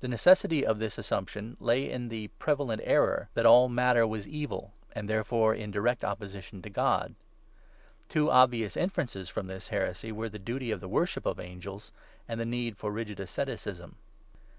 The necessity for this assumption lay in the pre valent error that all matter was evil and, therefore, in direct opposition to God. Two obvious inferences from this heresy were the duty of the worship of angels, and the need for rigid asceticism.